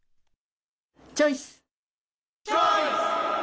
チョイス！